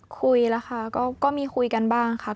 คุยละครับก็มีคุยกันบ้างครับ